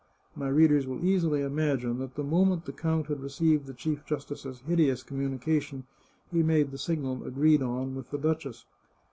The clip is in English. My readers will easily imagine that the moment the count had received the Chief Justice's hideous communica tion he made the signal agreed on with the duchess.